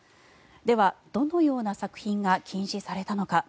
では、どのような作品が禁止されたのか。